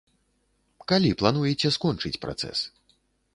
Калі плануеце скончыць працэс?